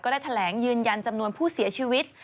ได้แถลงยืนยันจำนวนผู้เสียชีวิต